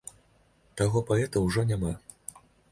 Таго паэта ўжо няма.